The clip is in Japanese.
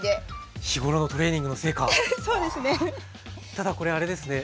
ただこれあれですね。